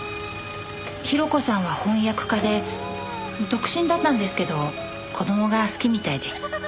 広子さんは翻訳家で独身だったんですけど子供が好きみたいで。